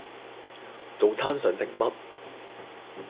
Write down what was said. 早餐想食乜？